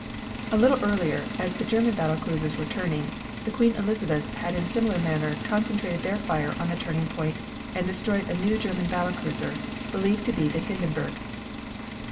A little earlier, as the German battle cruisers were turning the Queen Elizabeths had in similar manner concentrated their fire on the turning point and destroyed a new German battle cruiser, believed to be the Hindenburg.